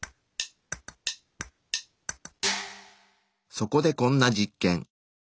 そこでこんな実験。